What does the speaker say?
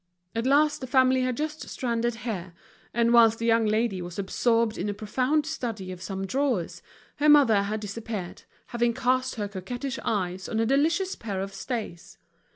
At last the family had just stranded here; and whilst the young lady was absorbed in a profound study of some drawers, the mother had disappeared, having cast her coquettish eyes on a delicious pair of stays.